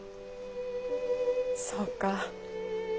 そうか。